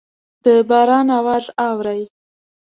د باران اواز اورئ